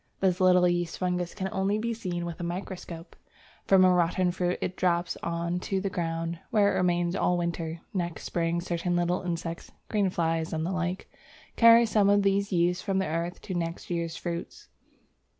This little yeast fungus can only be seen with a microscope. From a rotten fruit it drops on to the ground, where it remains all winter. Next spring certain small insects (green fly and the like) carry some of these yeasts from the earth to next year's fruits.